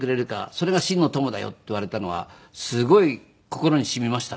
「それが真の友だよ」って言われたのはすごい心にしみましたね。